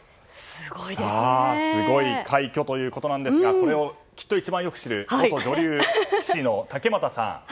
すごい快挙ですがこれをきっと一番よく知る元女流棋士の竹俣さん